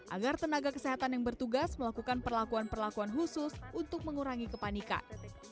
agar tenaga kesehatan yang bertugas melakukan perlakuan perlakuan khusus untuk mengurangi kepanikan